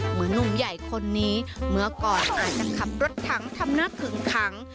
หนุ่มใหญ่คนนี้เมื่อก่อนอาจจะขับรถถังทำหน้าขึงขัง